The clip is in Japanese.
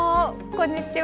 こんにちは。